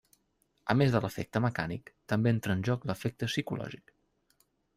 A més de l'efecte mecànic, també entra en joc l'efecte psicològic.